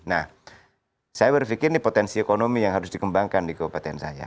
nah saya berpikir ini potensi ekonomi yang harus dikembangkan di kabupaten saya